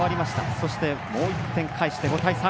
そして、もう１点返して５対３。